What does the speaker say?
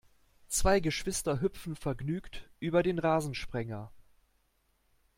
Zwei Geschwister hüpfen vergnügt über den Rasensprenger.